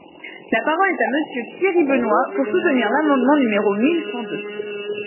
La parole est à Monsieur Thierry Benoit, pour soutenir l’amendement numéro mille cent deux.